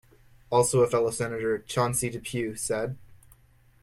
Also a fellow Senator, Chauncey Depew, said.